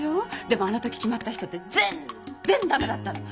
でもあの時決まった人って全然駄目だったの！